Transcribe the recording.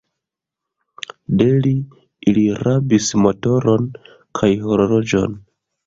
De li, ili rabis motoron kaj horloĝon.